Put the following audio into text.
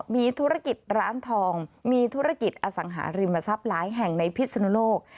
มีธุรกิจร้านทองมีธุรกิจอสังหาริมทรัพย์หลายแห่งในพิศนุโลก